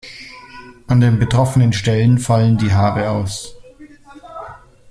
An den betroffenen Stellen fallen die Haare aus.